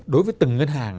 đối với từng ngân hàng ấy